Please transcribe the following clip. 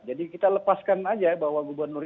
jadi kita lepaskan aja bahwa gubernur